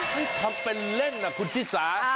นี่ทำเป็นเล่นนะคุณชิสา